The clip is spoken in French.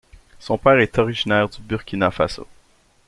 Son père est originaire du Burkina Faso.